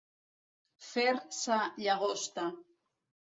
Fer sa llagosta.